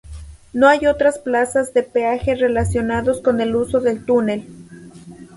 No hay otras plazas de peaje relacionados con el uso del túnel.